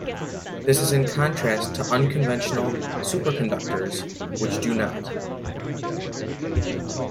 This is in contrast to unconventional superconductors, which do not.